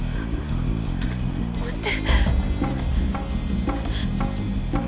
待って。